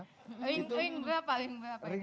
ring berapa ring berapa ini